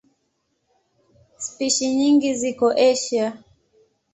Spishi nyingi ziko Asia.